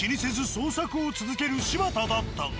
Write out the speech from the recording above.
を続ける柴田だったが。